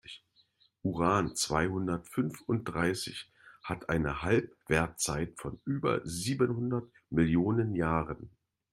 Uran-zweihundertfünfunddreißig hat eine Halbwertszeit von über siebenhundert Millionen Jahren.